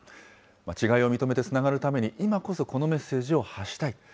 違いを認めてつながるために、今こそこのメッセージを発したい。